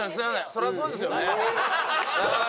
そりゃそうですよ。